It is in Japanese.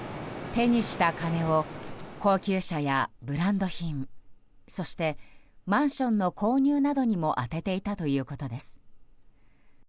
手にした金を高級車やブランド品そしてマンションの購入などにも充てていたということです。